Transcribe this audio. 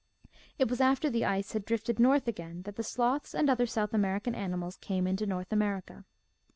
It was after the ice had drifted north again that the sloths and other South American animals came into North America.